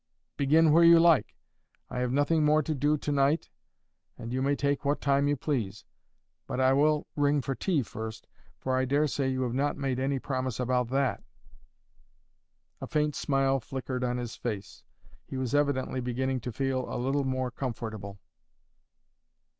"Begin where you like. I have nothing more to do to night, and you may take what time you please. But I will ring for tea first; for I dare say you have not made any promise about that." A faint smile flickered on his face. He was evidently beginning to feel a little more comfortable.